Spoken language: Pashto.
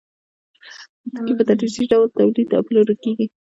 توکي په تدریجي ډول تولید او پلورل کېږي